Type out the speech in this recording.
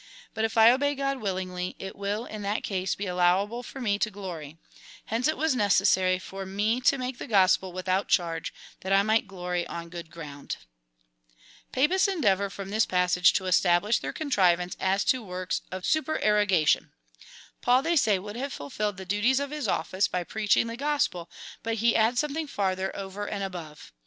But if I obey God willingly, it will in that case be allowable for me to glory. Hence it was necessary for me to make the gospel without charge, that I might glory on good ground." *" Son chef d'oeuure ;"— "His masterpiece." CHAP. IX. 18. FIRST EPISTLE TO THE CORINTHIANS. SOS Papists endeavour from this passage to establish their contrivance as to works of supererogation} " Paul/' they say, " would have fulfilled the duties of his office by preach ing the gospel, but he adds something farther over and above.